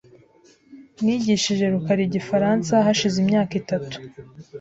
Nigishije rukara Igifaransa hashize imyaka itatu .